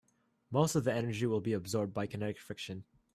Most of the energy will be absorbed by kinetic friction.